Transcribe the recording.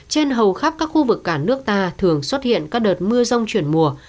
trên hầu khắp các khu vực cả nước ta thường xuất hiện các đợt mưa rông chuyển mùa